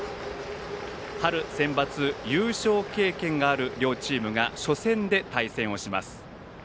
春センバツ優勝経験がある両チームが初戦で対戦します。